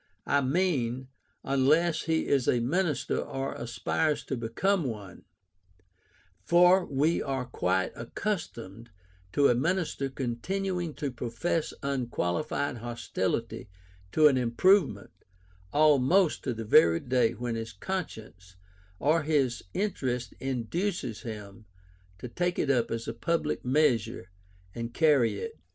I mean, unless he is a minister or aspires to become one: for we are quite accustomed to a minister continuing to profess unqualified hostility to an improvement almost to the very day when his conscience or his interest induces him to take it up as a public measure, and carry it.